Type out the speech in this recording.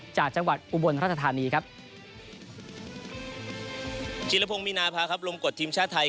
จากจังหวัดอุบลราชธานีครับจีรพงศ์มีนาภาครับลงกฎทีมชาติไทย